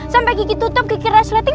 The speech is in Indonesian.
sampai gigi tutup gigi resleting